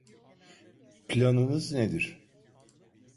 Planınız nedir?